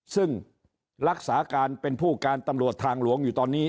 ซึ่งรักษาการเป็นผู้การตำรวจทางหลวงอยู่ตอนนี้